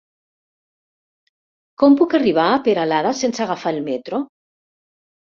Com puc arribar a Peralada sense agafar el metro?